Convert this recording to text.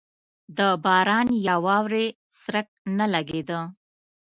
د باران یا واورې څرک نه لګېده.